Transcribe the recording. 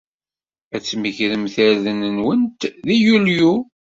Ad tmegremt irden-nwent deg Yulyu.